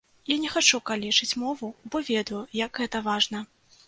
Я не хачу калечыць мову, бо ведаю, як гэта важна.